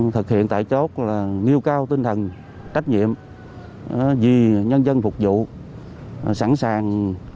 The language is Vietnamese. thực hiện tại chốt là nêu cao tinh thần trách nhiệm vì nhân dân phục vụ sẵn sàng